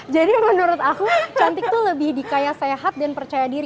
jadi menurut aku cantik tuh lebih di kayak sehat dan percaya diri